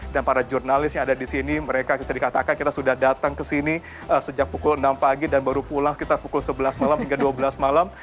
dan para jurnalis yang ada di sini mereka bisa dikatakan kita sudah datang ke sini sejak pukul enam pagi dan baru pulang sekitar pukul sebelas malam hingga dua belas malam